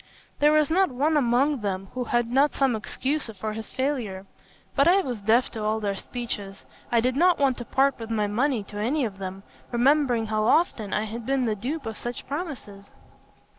There was not one among them who had not some excuse for his failure; but I was deaf to all their speeches. I did not want to part with my money to any of them, remembering how often I had been the dupe of such promises.